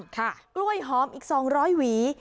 กล้วยหอมอีก๒๐๐หวี